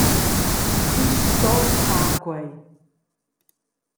Ti stos far quei.